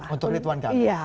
untuk ridwan kamil